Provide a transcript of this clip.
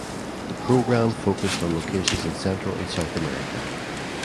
The program focused on locations in Central and South America.